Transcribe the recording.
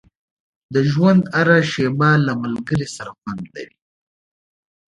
• د ژوند هره شېبه له ملګري سره خوند لري.